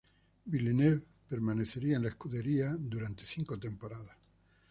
Villeneuve permanecería en la escudería durante cinco temporadas.